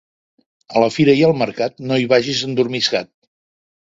A la fira i al mercat, no hi vagis endormiscat.